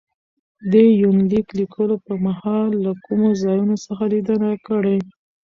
دې يونليک ليکلو په مهال له کومو ځايونو څخه ليدنه کړې